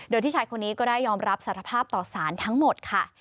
โดยที่ชายคนนี้ก็ได้ยอมรับสารภาพต่อสารทั้งหมดค่ะ